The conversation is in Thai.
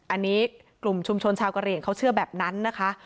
อันนี้กลุ่มชุมชนชาวกะเหลี่ยงเขาเชื่อแบบนั้นนะคะ